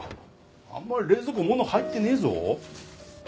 あんまり冷蔵庫物入ってねえぞ。